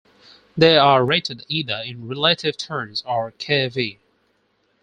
They are rated either in relative turns or Kv.